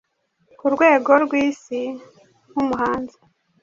ku rwego rw’isi nk’umuhanzi